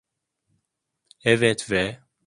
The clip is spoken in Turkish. Evet ve…